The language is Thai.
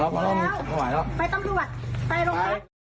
ไปต้องรอบรองเท้า